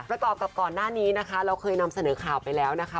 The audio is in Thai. ประกอบกับก่อนหน้านี้นะคะเราเคยนำเสนอข่าวไปแล้วนะคะ